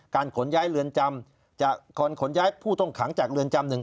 การขนย้ายผู้ต้องขังจากเรือนจำหนึ่ง